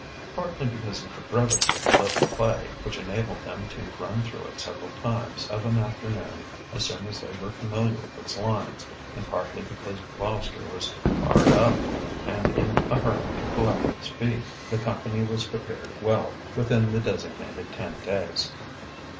Partly because of the brevity of the little play, which enabled them to run through it several times of an afternoon as soon as they were familiar with its lines, and partly because Gloucester was hard up and in a hurry to collect his fee, the company was prepared well within the designated ten days.